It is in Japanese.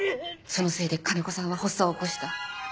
そのせいで金子さんは発作を起こした。